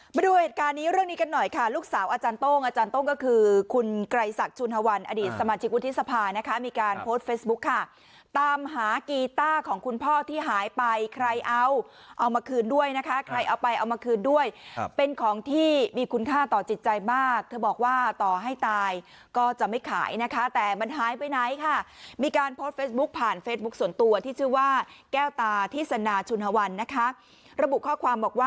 มาดูเหตุการณ์นี้เรื่องนี้กันหน่อยค่ะลูกสาวอาจารย์โต้งอาจารย์โต้งก็คือคุณไกรศักดิ์ชุนฮวันอดีตสมาชิกวุฒิสภานะคะมีการโพสเฟสบุ๊คค่ะตามหากีต้าของคุณพ่อที่หายไปใครเอาเอามาคืนด้วยนะคะใครเอาไปเอามาคืนด้วยเป็นของที่มีคุณค่าต่อจิตใจมากเธอบอกว่าต่อให้ตายก็จะไม่ขายนะคะแต่มันหายไปไหนค่